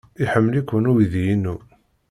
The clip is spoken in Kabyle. Iḥemmel-iken uydi-inu.